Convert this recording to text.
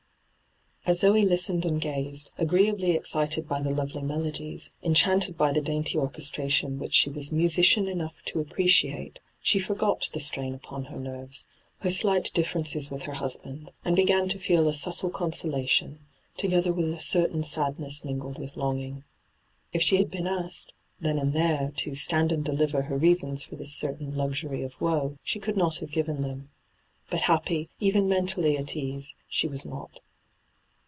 As Zoe listened and gazed, agreeably excited by the lovely melodies, enchanted by the dainty orchestration which she was musician enough to appreciate, she forgot the strain upon her nerves, her slight differences with her husband, and began to feel a subtle hyGoot^le ENTRAPPED 167 consolation, together with a certain sadness mingled with longing. If she had been asked, then and there, to ' stand and deliver ' her reasons for this certain luxury of woe, she could not have given them. But happy, even mentally at ease, she was not.